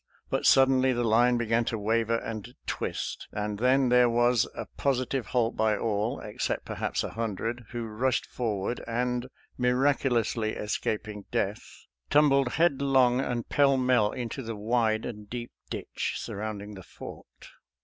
But suddenly the line began to waver and twist, and then there was a positive halt by all, except perhaps a hundred, who rushed forward and, miraculously escaping death, tumbled headlong 262 SOLDIER'S LETTERS TO CHARMING NELLIE and pell mell into the wide and deep ditch sur rounding the fort.